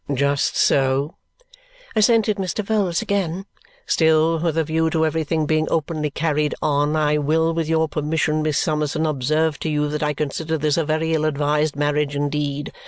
"Just so," assented Mr. Vholes again. "Still, with a view to everything being openly carried on, I will, with your permission, Miss Summerson, observe to you that I consider this a very ill advised marriage indeed.